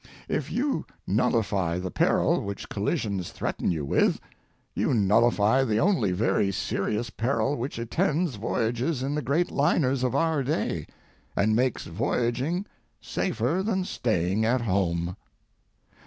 If you nullify the peril which collisions threaten you with, you nullify the only very serious peril which attends voyages in the great liners of our day, and makes voyaging safer than staying at home.